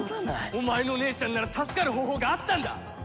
お前の姉ちゃんなら助かる方法があったんだ！